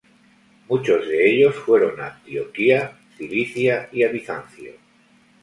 Muchos de ellos fueron a Antioquía, Cilicia, y a Bizancio.